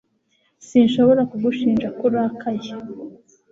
Sinshobora kugushinja ko urakaye